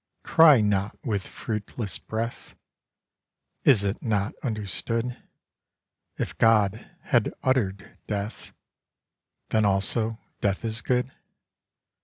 Cry not with fruitless breath. Is it not understood, If God had utter'd Death Then also Death is good?